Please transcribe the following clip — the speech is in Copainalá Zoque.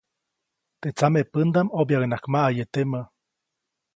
Teʼ tsamepändaʼm ʼobyaʼuŋnaʼak maʼaye temä.